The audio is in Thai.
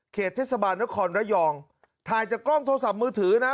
เทศบาลนครระยองถ่ายจากกล้องโทรศัพท์มือถือนะ